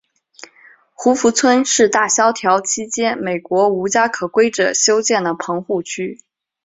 胡佛村是大萧条期间美国无家可归者修建的棚户区。